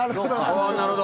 なるほど。